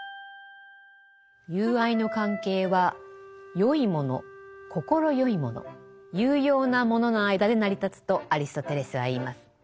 友愛の関係は善いもの快いもの有用なものの間で成り立つとアリストテレスは言います。